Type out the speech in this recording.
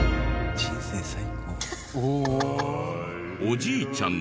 「人生最高」。